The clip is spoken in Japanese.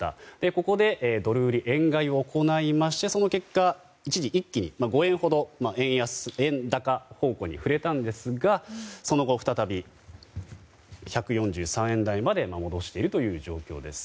ここでドル売り円買いを行いましてその結果、一時一気に５円ほど円高方向に振れたんですがその後、再び１４３円台まで戻しているという状況です。